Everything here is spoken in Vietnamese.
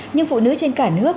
nhưng phụ nữ trên cả nước